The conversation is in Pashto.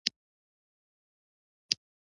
بدرنګه اراده د بربادۍ پیل وي